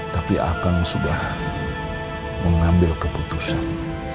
tapi akan sudah mengambil keputusan